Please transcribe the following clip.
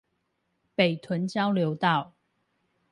北屯交流道